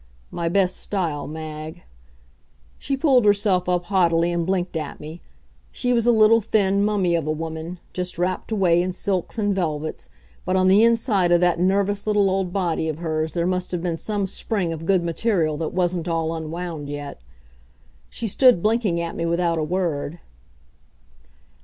My best style, Mag. She pulled herself up haughtily and blinked at me. She was a little, thin mummy of a woman, just wrapped away in silks and velvets, but on the inside of that nervous, little old body of hers there must have been some spring of good material that wasn't all unwound yet. She stood blinking at me without a word.